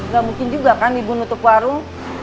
gak mungkin juga kan ibu nutup warung